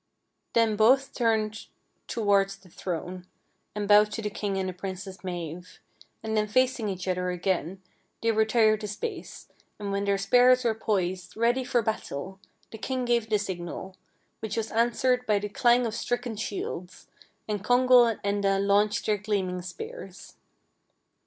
Then both turned towards the throne, and bowed to the king and the Princess Mave; and then facing each other again, they retired a space, and when their spears were poised, ready for battle, the king gave the signal, which was answered by the clang of stricken shields, and Congal and Enda launched their gleaming spears.